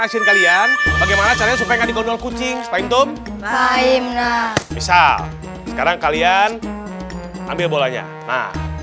asin kalian bagaimana caranya supaya gak digondol kucing misal sekarang kalian ambil bolanya nah